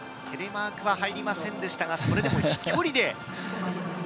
テレマークは入りませんでしたがそれでも飛距離で